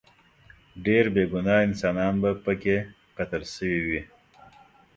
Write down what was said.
ډیر بې ګناه انسانان به پکې قتل شوي وي.